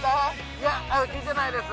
いや聞いてないです。